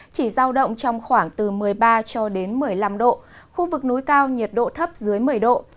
chỉ giao động trong khoảng từ một mươi ba cho đến một mươi năm độ khu vực núi cao nhiệt độ thấp dưới một mươi độ